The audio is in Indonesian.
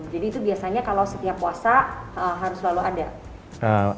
jadi itu biasanya kalau setiap puasa harus selalu ada